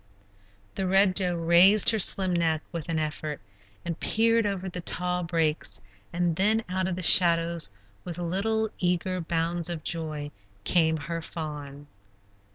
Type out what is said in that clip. The Red Doe raised her slim neck with an effort, and peered over the tall brakes, and then out of the shadows, with little, eager bounds of joy, came her fawn.